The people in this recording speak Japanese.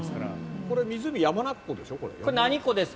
これ、湖山中湖でしょ？